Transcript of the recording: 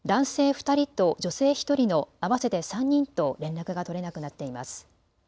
２人と女性１人の合わせて３人と連絡が取れなくなっています。